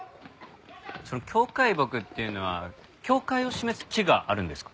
その境界木っていうのは境界を示す木があるんですか？